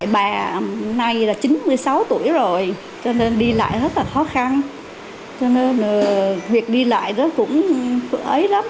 bà nay là chín mươi sáu tuổi rồi cho nên đi lại rất là khó khăn cho nên việc đi lại đó cũng ấy lắm